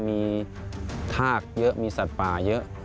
มีทากเยอะมีสัตว์ป่าเยอะ